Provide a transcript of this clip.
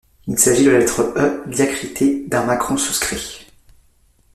Il s'agit de la lettre E diacritée d'un macron souscrit.